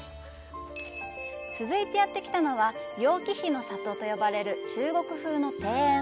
続いてやってきたのは「楊貴妃の里」と呼ばれる中国風の庭園。